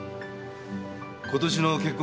今年の結婚